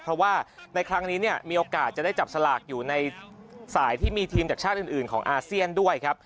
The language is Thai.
เพราะว่าในครั้งนี้เนี่ยมีโอกาสจะได้จับสลากอยู่ในสายที่มีทีมจากชาติอื่นของอาเซียนด้วยครับ